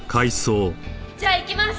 じゃあいきます！